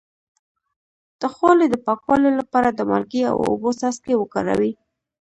د خولې د پاکوالي لپاره د مالګې او اوبو څاڅکي وکاروئ